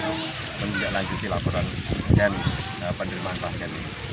untuk menindaklanjuti laporan dan penerimaan pasien ini